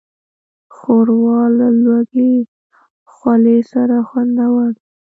ښوروا له وږې خولې سره خوندوره ده.